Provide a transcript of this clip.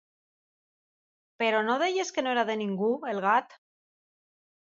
Però no deies que no era de ningú, el gat?